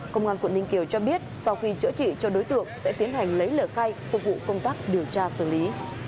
công an quận ninh kiều cho biết sau khi chữa trị cho đối tượng sẽ tiến hành lấy lời khai phục vụ công tác điều tra xử lý